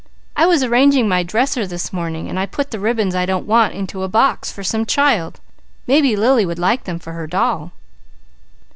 I was arranging my dresser this morning and I put the ribbons I don't want into a box for some child. Maybe Lily would like them for her doll."